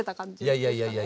いやいやいやいや。